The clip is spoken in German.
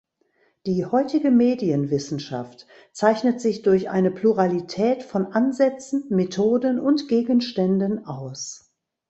Die heutige Medienwissenschaft zeichnet sich durch eine Pluralität von Ansätzen, Methoden und Gegenständen aus.